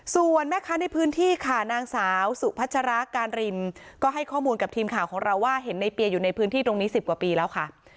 ส่วนแม่ค้าในพื้นที่ค่ะนางสาวสุพัชราการรินก็ให้ข้อมูลกับทีมข่าวของเราว่าเห็นในเปียอยู่ในพื้นที่ตรงนี้๑๐กว่าปีแล้วค่ะ